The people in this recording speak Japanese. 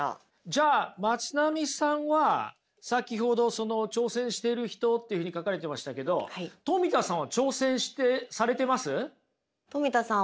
じゃあまつなみさんは先ほど「挑戦してる人」っていうふうに書かれてましたけどトミタさんは挑戦してされてます？